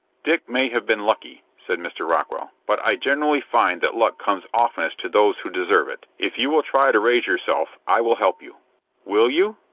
"Dick may have been lucky," said Mr. Rockwell, "but I generally find that luck comes oftenest to those who deserve it. If you will try to raise yourself I will help you." "Will you?"